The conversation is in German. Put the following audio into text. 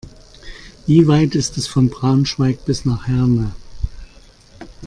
Wie weit ist es von Braunschweig bis nach Herne?